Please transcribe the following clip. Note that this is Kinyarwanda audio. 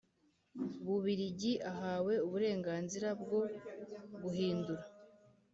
Bubiligi ahawe uburenganzira bwo guhindura